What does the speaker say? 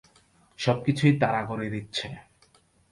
সব কিছুই তারা করে দিচ্ছে।